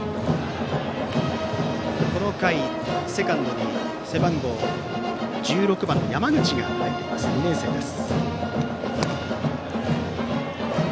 この回、セカンドに背番号１６番の山口、２年生です。